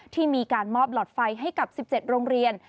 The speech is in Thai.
ที่มีการมอบหลอดไฟให้กับ๑๗โรงเรียน